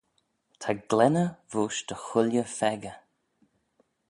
Ta glenney voish dy chooilley pheccah.